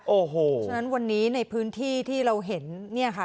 โอ้โหฉะนั้นวันนี้ในพื้นที่ที่เราเห็นเนี่ยค่ะ